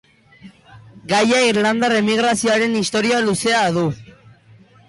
Gaia irlandar emigrazioaren historia luzea du.